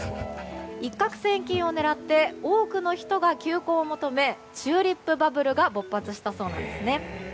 一攫千金を狙って多くの人が球根を求めチューリップ・バブルが勃発したそうなんですね。